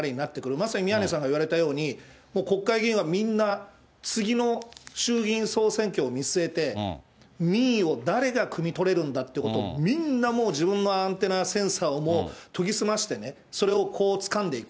まさに宮根さんが言われたように、もう国会議員はみんな次の衆議院総選挙を見据えて、民意を誰がくみ取れるんだってことを、みんな、もう、自分のアンテナセンサーを研ぎ澄ましてね、それをつかんでいく。